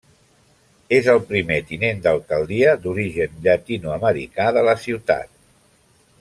És el primer tinent d'alcaldia d'origen llatinoamericà de la ciutat.